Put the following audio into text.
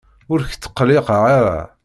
Ur k-ttqelliqeɣ ara.